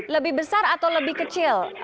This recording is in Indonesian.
lebih besar atau lebih kecil